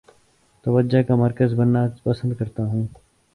توجہ کا مرکز بننا پسند کرتا ہوں